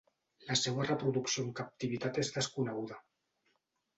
La seua reproducció en captivitat és desconeguda.